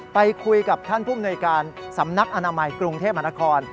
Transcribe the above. ไปคุยกับท่านผู้มนวยการสำนักอนามัยกรุงเทพมหานคร